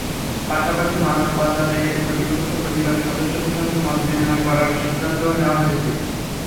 পাশাপাশি মানব পাচারে ক্ষতিগ্রস্ত পরিবারের সদস্যদের সঙ্গে মতবিনিময় করারও সিদ্ধান্ত নেওয়া হয়েছে।